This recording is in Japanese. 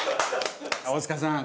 大塚さん